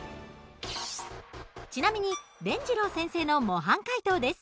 ちなみにでんじろう先生の模範解答です。